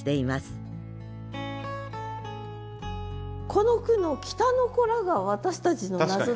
この句の「北の子ら」が私たちの謎だったんだけど。